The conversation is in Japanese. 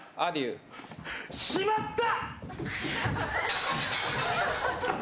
しまった。